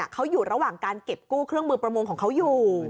เขาอยู่ระหว่างการเก็บกู้เครื่องมือประมงของเขาอยู่